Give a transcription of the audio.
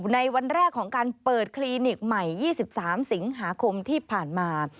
ในวันแรกของการเปิดคลินิกใหม่๒๓สิงหาคมที่ผ่านมา